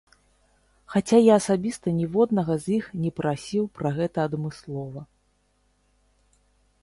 Хаця я асабіста ніводнага з іх не прасіў пра гэта адмыслова.